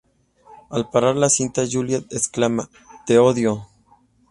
Al parar la cinta, Juliet exclama: "¡te odio!